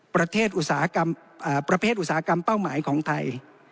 อุตสาหกรรมประเภทอุตสาหกรรมเป้าหมายของไทย